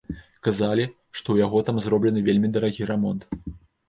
Казалі, што ў яго там зроблены вельмі дарагі рамонт.